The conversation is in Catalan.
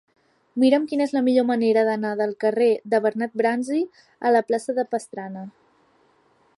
Mira'm quina és la millor manera d'anar del carrer de Bernat Bransi a la plaça de Pastrana.